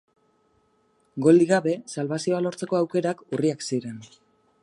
Golik gabe, salbazioa lortzeko aukerak urriak ziren.